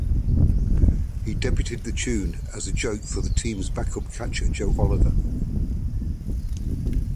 He debuted the tune as a joke for the team's backup catcher, Joe Oliver.